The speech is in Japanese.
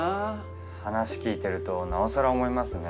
話聞いてるとなおさら思いますね。